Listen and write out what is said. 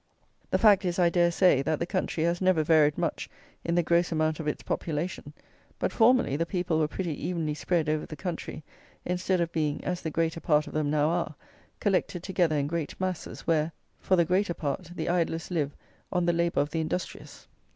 The fact is, I dare say, that the country has never varied much in the gross amount of its population; but formerly the people were pretty evenly spread over the country, instead of being, as the greater part of them now are, collected together in great masses, where, for the greater part, the idlers live on the labour of the industrious.